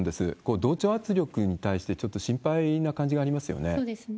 同調圧力に対してちょっと心配な感じがありますよね。